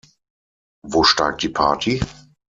Wo steigt die Party?